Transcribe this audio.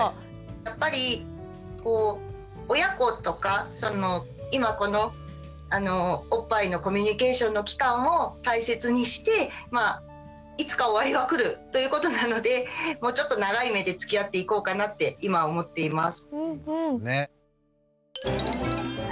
やっぱり親子とか今このおっぱいのコミュニケーションの期間を大切にしていつか終わりは来るということなのでもうちょっと長い目でつきあっていこうかなって今思っています。